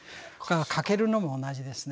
駆けるのも同じですね。